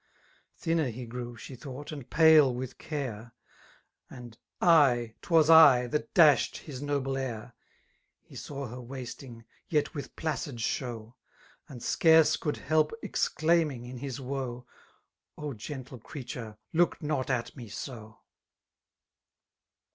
Thinner be grew, she thought, and pale with care;. And I, 'twas I, that dashed bis noble air 1" 9Q He WW her waitiag, y«t wHb piaoid «]iew; And scaioe owld hdp CKclaimiag io bis woe^ *' O gentle creature, look not at me so